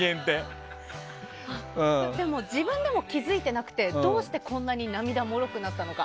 でも、自分でも気づいてなくてどうしてこんなに涙もろくなったのか。